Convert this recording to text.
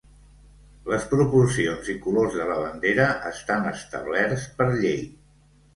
Les proporcions i colors de la bandera estan establerts per llei.